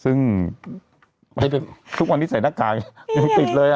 ซึ่งไปให้ทุกวันนิสัยนาคกายยังติดเลยอ่ะ